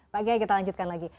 pagi kita lanjutkan lagi